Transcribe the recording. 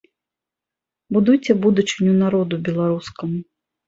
Будуйце будучыню народу беларускаму.